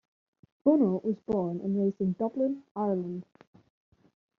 Bono was born and raised in Dublin, Ireland.